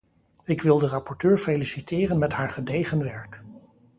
Ik wil de rapporteur feliciteren met haar gedegen werk.